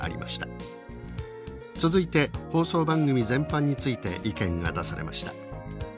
続いて放送番組全般について意見が出されました。